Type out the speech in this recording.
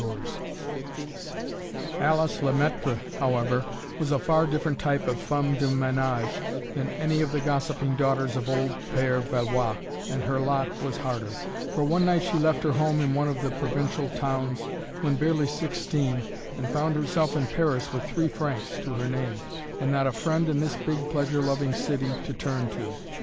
[Illustration: A BUSY MORNING] Alice Lemaître, however, was a far different type of femme de ménage than any of the gossiping daughters of old Père Valois, and her lot was harder, for one night she left her home in one of the provincial towns, when barely sixteen, and found herself in Paris with three francs to her name and not a friend in this big pleasure loving city to turn to.